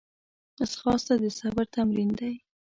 ځغاسته د صبر تمرین دی